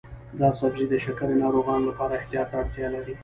دا سبزی د شکرې ناروغانو لپاره احتیاط ته اړتیا لري.